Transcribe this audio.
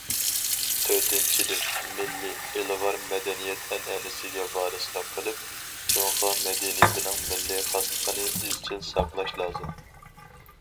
تۆتىنچىدىن، مىللىي، ئىلغار مەدەنىيەت ئەنئەنىسىگە ۋارىسلىق قىلىپ، جۇڭخۇا مەدەنىيىتىنىڭ مىللىي خاسلىقىنى ئىزچىل ساقلاش لازىم.